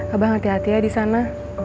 abang hati hati ya disana